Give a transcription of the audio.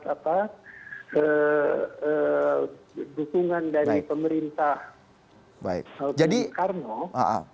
dukungan dari pemerintah soekarno